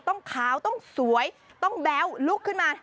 ต้องขาวต้องสวยต้องแบ๊วลุกขึ้นมา